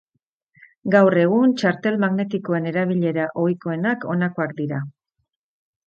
Gaur egun txartel magnetikoen erabilera ohikoenak honakoak dira.